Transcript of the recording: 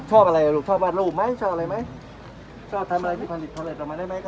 ชอบอะไรรูปชอบบัตต์รูปไหมชอบอะไรไหมชอบทำอะไรที่พันธุรกิจ